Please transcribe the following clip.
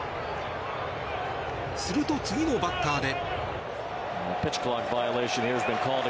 すると、次のバッターで。